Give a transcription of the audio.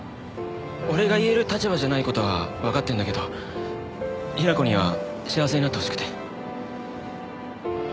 俺が言える立場じゃない事はわかってるんだけど雛子には幸せになってほしくて。